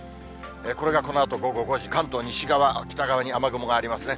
これがこのあと午後５時、関東西側、北側に雨雲がありますね。